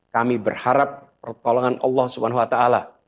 kami berharap pertolongan allah subhanahu wa ta ala